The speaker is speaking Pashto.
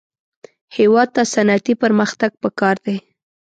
هېواد ته صنعتي پرمختګ پکار دی